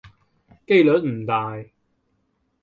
機率唔大